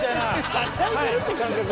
はしゃいでるって感覚なの？